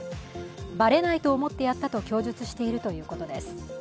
バレないと思ってやったと供述しているということです。